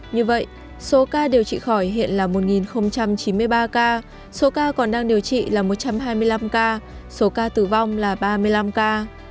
như vậy số ca điều trị khỏi hiện là một chín mươi ba ca số ca còn đang điều trị là một trăm hai mươi năm ca số ca tử vong là ba mươi năm ca